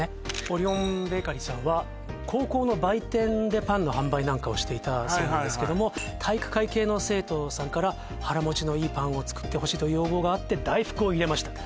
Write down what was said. オリオンベーカリーさんは高校の売店でパンの販売なんかをしていたそうなんですけども体育会系の生徒さんから腹持ちのいいパンを作ってほしいという要望があって大福を入れました